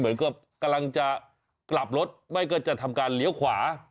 เหมือนกับกำลังจะกลับรถไม่ก็จะทำการเลี้ยวขวา